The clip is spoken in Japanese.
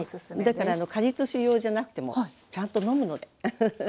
だから果実酒用じゃなくてもちゃんと飲むのでウフフ。